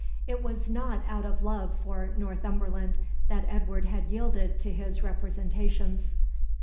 It was not out of love for Northumberland that Edward had yielded to his representations.